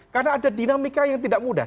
karena ada dinamika yang tidak mudah